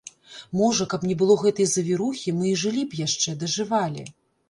Можа, каб не было гэтай завірухі, мы і жылі б яшчэ, дажывалі.